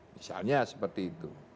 misalnya seperti itu